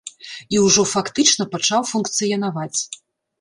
І ўжо фактычна пачаў функцыянаваць.